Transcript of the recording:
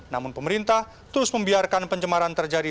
namun pemerintah terus membiarkan pencemaran terjadi